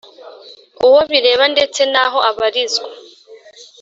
uwo bireba ndetse n aho abarizwa